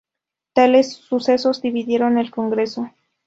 Tales sucesos dividieron al Congreso.